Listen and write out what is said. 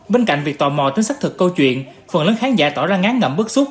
bên cạnh việc tò mò tính xác thực câu chuyện phần lớn khán giả tỏ ra ngán ngẩm bức xúc